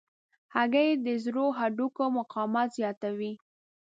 هګۍ د زړو هډوکو مقاومت زیاتوي.